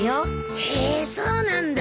へえそうなんだ。